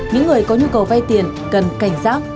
những người có nhu cầu vay tiền cần cảnh giác